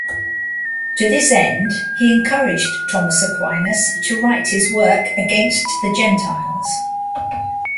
To this end he encouraged Thomas Aquinas to write his work "Against the Gentiles".